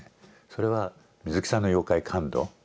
それは水木さんの妖怪感度。